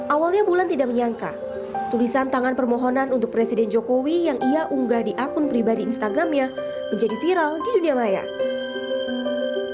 awalnya bulan tidak menyangka tulisan tangan permohonan untuk presiden jokowi yang ia unggah di akun pribadi instagramnya menjadi viral di dunia maya